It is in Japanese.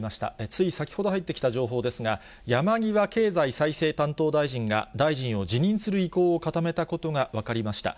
つい先ほど入ってきた情報ですが、山際経済再生担当大臣が、大臣を辞任する意向を固めたことが分かりました。